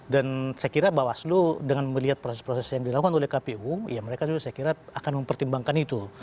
dan saya kira bawaslu dengan melihat proses proses yang dilakukan oleh kpu ya mereka juga saya kira akan mempertimbangkan itu